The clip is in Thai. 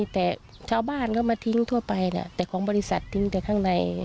แต่ชาวบ้านเขามาทิ้งทั่วไปแหละแต่ของบริษัททิ้งแต่ข้างใน